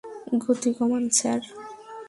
গতি কমান, স্যার!